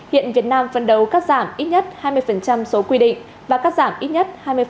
hiện việt nam phân đầu cắt giảm ít nhất hai mươi số quy định và cắt giảm ít nhất